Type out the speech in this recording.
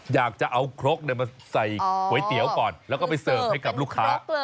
อยากจะเอาครกมาใส่ก๋วยเตี๋ยวก่อนแล้วก็ไปเสิร์ฟให้กับลูกค้า